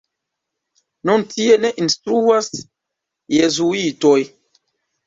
Nun tie ne instruas jezuitoj.